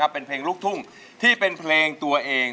เป็นเพลงลุกทุ่ง